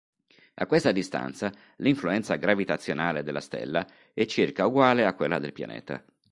A questa distanza l'influenza gravitazionale della stella è circa uguale a quella del pianeta.